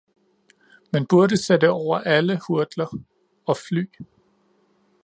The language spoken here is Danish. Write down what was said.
Man burde sætte over alle hurdler — og fly!